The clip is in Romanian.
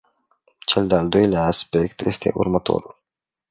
Cel de-al doilea aspect este următorul.